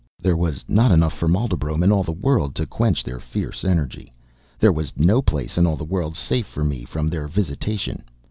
There was not enough formaldybrom in all the world to quench their fierce energy. There was no place in all the world safe for me from their visitation.